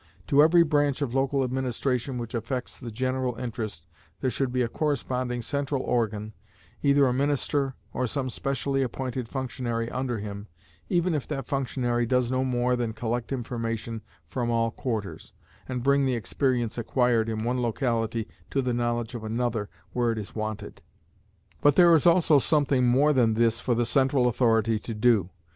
To every branch of local administration which affects the general interest there should be a corresponding central organ, either a minister, or some specially appointed functionary under him, even if that functionary does no more than collect information from all quarters, and bring the experience acquired in one locality to the knowledge of another where it is wanted. But there is also something more than this for the central authority to do.